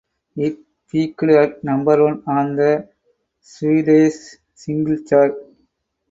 It peaked at number one on the Swedish singles chart.